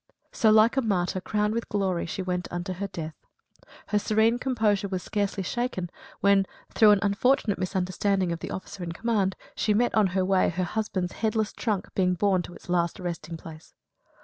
So, like a martyr, crowned with glory, she went unto her death. Her serene composure was scarcely shaken when, through an unfortunate misunderstanding of the officer in command, she met on her way her husband's headless trunk being borne to its last resting place.